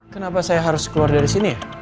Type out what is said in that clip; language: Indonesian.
kenapa saya harus keluar dari sini